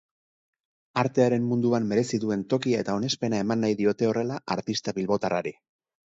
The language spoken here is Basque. Artearen munduan merezi duen tokia eta onespena eman nahi diote horrela artista bilbotarrari.